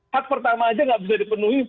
hak pertama aja nggak bisa dipenuhi